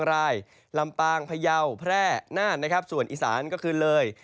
แร่นาฏส่วนอีสานก็คืนเลย